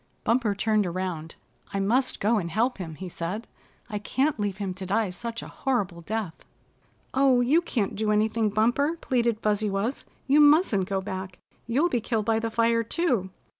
Bumper turned around. "I must go and help him," he said. "I can't leave him to die such a horrible death." "Oh, you can't do anything, Bumper," pleaded Fuzzy Wuzz. "You mustn't go back. You'll be killed by the fire, too."